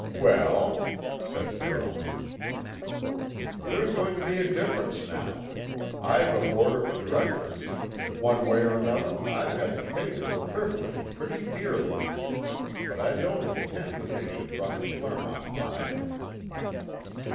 "Well?" said Carroll. "There's going to be a difference now, I've a board of directors; one way or another, I've had to pay for the privilege pretty dearly; but I don't intend that they should run the Clermont mine."